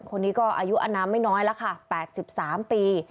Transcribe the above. คนนี้ก็อายุอนามไม่น้อยแล้วค่ะ๘๓ปี